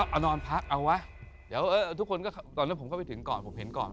เอานอนพักเอาวะเดี๋ยวทุกคนก็ตอนนั้นผมเข้าไปถึงก่อนผมเห็นก่อน